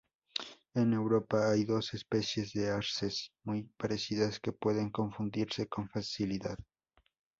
En Europa hay dos especie de arces muy parecidas que pueden confundirse con facilidad.